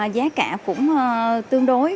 giá cả cũng tương đối